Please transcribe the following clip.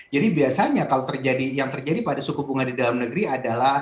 jadi biasanya kalau terjadi yang terjadi pada suku bunga di dalam negeri adalah